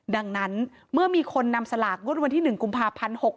ดังนั้นเมื่อมีคนนำสลากงวดวันที่๑กุมภาพันธ์๖๖